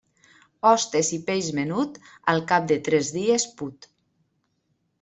Hostes i peix menut, al cap de tres dies put.